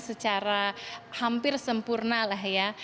secara hampir sempurna lah ya